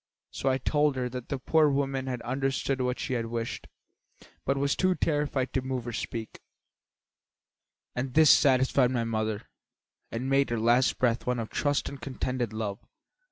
So I told her that the poor woman had understood what she wished, but was too terrified to move or speak; and this satisfied my mother and made her last breath one of trust and contented love.